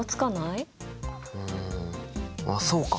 うんあっそうか。